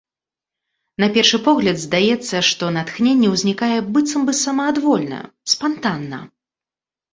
На першы погляд здаецца, што натхненне ўзнікае быццам бы самаадвольна, спантанна.